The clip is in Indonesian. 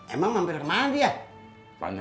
emang mampir kemana dia